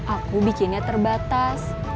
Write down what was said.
aku bikinnya terbatas